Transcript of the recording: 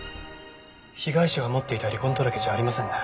被害者が持っていた離婚届じゃありませんね。